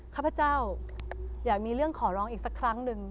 ข้าพเจ้าอยากมีเรื่องขอร้องอีกสักครั้งหนึ่ง